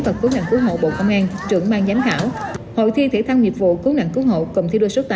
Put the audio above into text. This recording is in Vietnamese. và cú nạn cú hộ bộ công an trưởng mang giám khảo hội thi thể thao nghiệp vụ cú nạn cú hộ cầm thi đua số tám